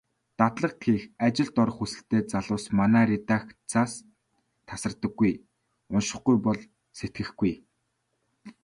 Дадлага хийх, ажилд орох хүсэлтэй залуус манай редакцаас тасардаггүй. УНШИХГҮЙ БОЛ СЭТГЭХГҮЙ.